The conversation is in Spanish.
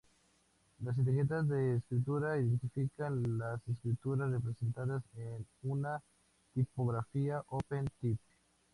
Las etiquetas de escritura identifican las escrituras representadas en una tipografía OpenType.